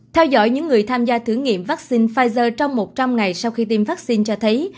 theo dõi những người tham gia thử nghiệm vaccine pfizer trong một trăm linh ngày sau khi tiêm vaccine cho thấy